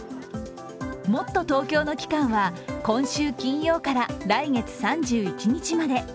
もっとＴｏｋｙｏの期間は今週金曜から来月３１日まで。